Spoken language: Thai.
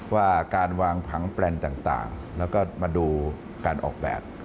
ว่าการวางผังแปลนต่างแล้วก็มาดูการออกแบบ